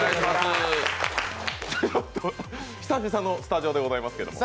久々のスタジオでございますけれども。